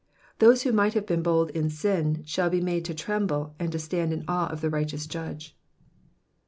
Those who might have been bold in sin shall be made to tremble and to stand in awe of the righteous Judge.